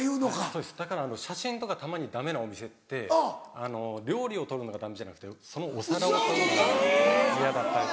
そうですだから写真とかたまにダメなお店って料理を撮るのがダメじゃなくてそのお皿を撮るのが嫌だったり。